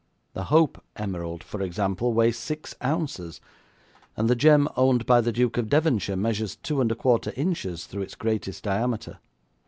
The Hope emerald, for example, weighs six ounces, and the gem owned by the Duke of Devonshire measures two and a quarter inches through its greatest diameter.